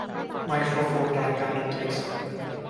ไมโครโฟน รายการดนตรีสด